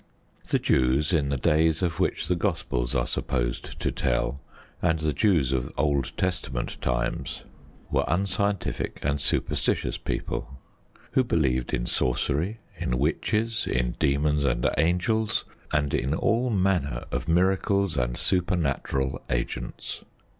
The Jews in the days of which the Gospels are supposed to tell, and the Jews of Old Testament times, were unscientific and superstitious people, who believed in sorcery, in witches, in demons and angels, and in all manner of miracles and supernatural agents.